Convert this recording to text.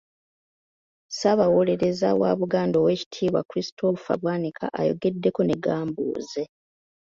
Ssaabawolerereza wa Buganda Oweekitiibwa Christopher Bwanika ayogeddeko ne Gambuuze.